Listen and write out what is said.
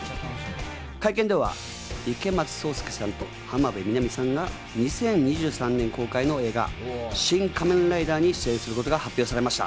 会見では池松壮亮さんと浜辺美波さんが２０２３年公開の映画『シン・仮面ライダー』に出演することが発表されました。